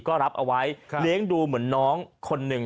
ก็รับเอาไว้เลี้ยงดูเหมือนน้องคนหนึ่ง